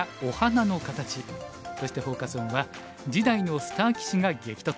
そしてフォーカス・オンは「次代のスター棋士が激突！